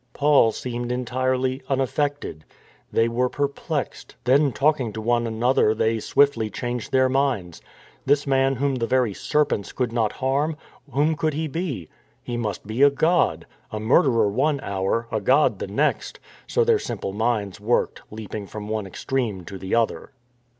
Paul seemed entirely unaffected. They were perplexed : then talking to one another they swiftly changed their minds. This man whom the very serpents could not harm, whom could he be ? He must be a god. A murderer one hour, a god the next; so their simple minds worked, leaping from one extreme to the other.